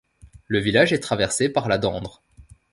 Le village est traversé par la Dendre.